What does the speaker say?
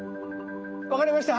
分かりました。